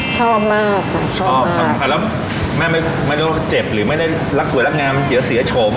ชอบค่ะถัวแล้วแม่ไม่ได้เจ็บหรือไม่ได้รักสวยรักงามเยอะเสียชม